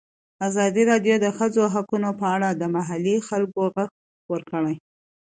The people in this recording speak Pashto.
ازادي راډیو د د ښځو حقونه په اړه د محلي خلکو غږ خپور کړی.